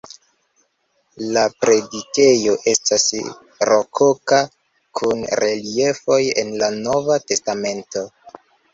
La predikejo estas rokoka kun reliefoj el la Nova Testamento.